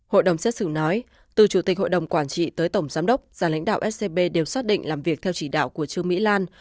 hội đồng xét xử nói từ chủ tịch hội đồng quản trị tới tổng giám đốc ra lãnh đạo scb đều xác định làm việc theo chỉ đạo của trương mỹ lan